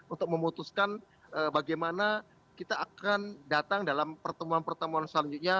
untuk memutuskan bagaimana kita akan datang dalam pertemuan pertemuan selanjutnya